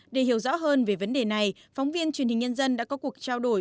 để hiểu rõ hơn về vấn đề này phóng viên truyền hình nhân dân đã có cuộc trao đổi